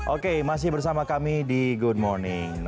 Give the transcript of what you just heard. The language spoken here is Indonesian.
oke masih bersama kami di good morning